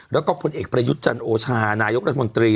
แล้วก็พลเอกประยุทธ์จันโอชานายกรัฐมนตรี